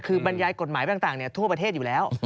คือบรรยายกฎหมายต่างทั่วประเทศอยู่แล้ว